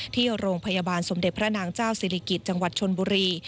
ที่โรงพยาบาลสมเด็จพระนางเจ้าศิริกิจจังหวัดชนบุรี